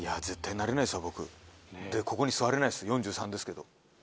僕でここに座れないです４３ですけど。